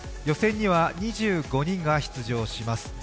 予選には２５人が出場します。